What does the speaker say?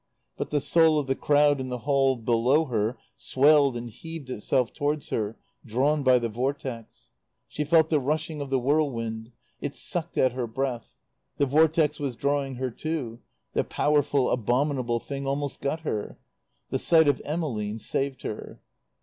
But the soul of the crowd in the hail below her swelled and heaved itself towards her, drawn by the Vortex. She felt the rushing of the whirlwind; it sucked at her breath: the Vortex was drawing her, too; the powerful, abominable thing almost got her. The sight of Emmeline saved her.